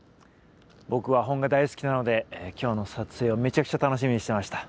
僕は本が大好きなので今日の撮影をめちゃくちゃ楽しみにしてました。